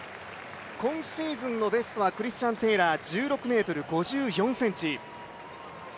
今シーズンのベストはクリスチャン・テイラー１６ｍ５４ｃｍ。